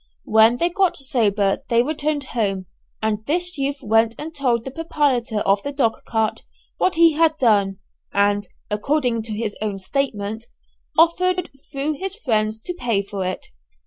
When they got sober they returned home, and this youth went and told the proprietor of the dog cart what he had done, and (according to his own statement) offered, through his friends, to pay for it.